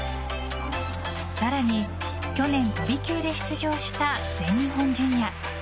さらに去年、飛び級で出場した全日本ジュニア。